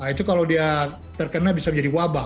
itu kalau dia terkena bisa menjadi wabah